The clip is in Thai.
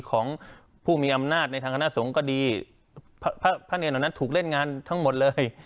ของผู้มีอำนาจในทางคณะสงฆ์ก็ดีพระเนรเหล่านั้นถูกเล่นงานทั้งหมดเลย